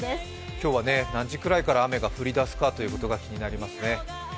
今日は何時くらいから雨が降り出すか気になりますね。